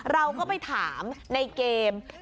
เราก็ไปถามในเกม